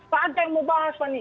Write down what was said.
pak ada yang mau bahas fani